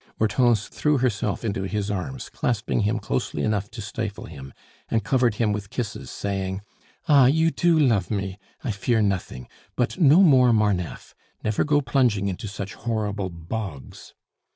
Hortense threw herself into his arms, clasping him closely enough to stifle him, and covered him with kisses, saying: "Ah, you do love me! I fear nothing! But no more Marneffe. Never go plunging into such horrible bogs."